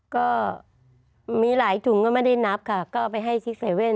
ก็มีหลายถุงก็ไม่ได้นับค่ะก็เอาไปให้ซิกเซเว่น